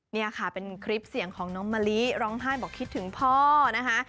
นี่ค่ะเป็นคลิปเสียงของน้องมะลิร้องไห้บอกคิดถึงพ่อนะคะ